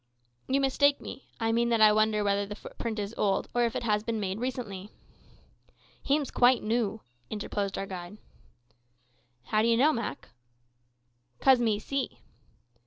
"You mistake me. I mean that I wonder whether the footprint is old, or if it has been made recently." "Him's quite noo," interposed our guide. "How d'ye know, Mak?" "'Cause me see."